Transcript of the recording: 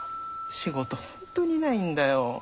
仕事本当にないんだよ。